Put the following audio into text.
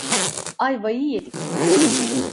Ayvayı yedik.